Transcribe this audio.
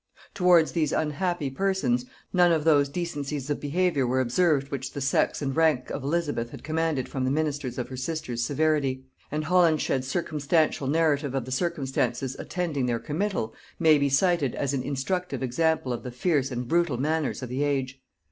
Towards these unhappy persons, none of those decencies of behaviour were observed which the sex and rank of Elizabeth had commanded from the ministers of her sister's severity; and Holinshed's circumstantial narrative of the circumstances attending their committal, may be cited as an instructive example of the fierce and brutal manners of the age.